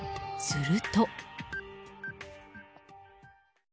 すると。